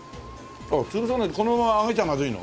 潰さないでこのまま揚げちゃまずいの？